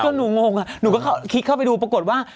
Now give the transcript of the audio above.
ก็หนูงงหนูก็คิดเข้าไปดูปรากฏว่า